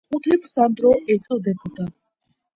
ასეთ ყუთებს სანდო ეწოდებოდა.